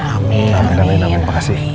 amin amin amin makasih